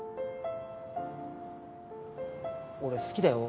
俺好きだよ。